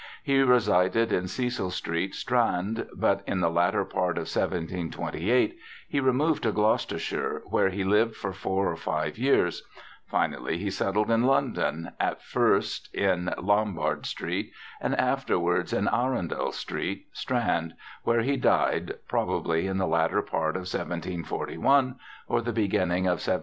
He resided in Cecil Street, Strand, but in the latter part of 1728 he removed to Gloucestershire, where he lived for four or five years; finally he settled in London, at first in Lombard Street, and afterwards in Arundel Street, Strand, where he died probably in the latter part of 1741 or the beginning of 1742.